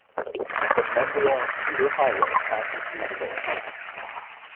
The Mangalore-Puttur highway passes through the village.